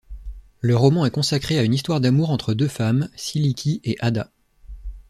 Le roman est consacré à une histoire d'amour entre deux femmes, Siliki et Ada.